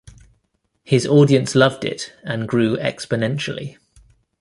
His audience loved it, and grew exponentially.